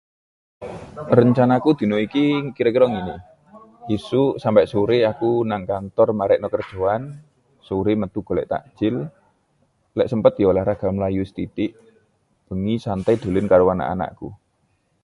Rencanaku dino iki kiro-kiro ngene, isuk sampe sore nang kantor marekno kerjoan, sore metu golek takjil, lek sempet yo olahraga mlayu sethithik, bengi santai dolen karo anak-anakku.